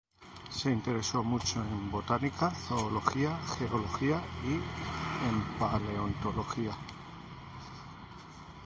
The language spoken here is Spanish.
Se interesó mucho en botánica, zoología, geología y en paleontología.